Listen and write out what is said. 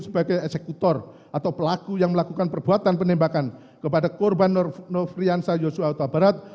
sebagai eksekutor atau pelaku yang melakukan perbuatan penembakan kepada korban nofriansah yosua utabarat